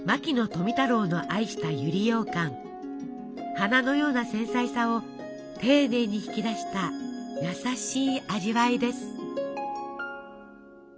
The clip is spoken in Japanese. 花のような繊細さをていねいに引き出した優しい味わいです。